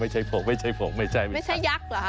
ไม่ใช่ผงไม่ใช่ผงไม่ใช่ไม่ใช่ยักษ์เหรอฮะ